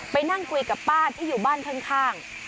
ไปนั่งคุยกับป้าที่อยู่บ้านข้าง